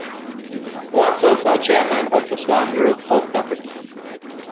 Swan serves as Chairman of the Swan Group of Companies.